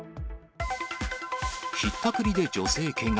ひったくりで女性けが。